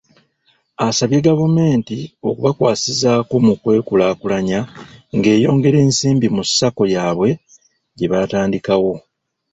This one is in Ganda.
Asabye gavumenti okubakwasizaako mu kwekulaakulanya ng'eyongera ensimbi mu Sacco yaabwe gye baatandikawo.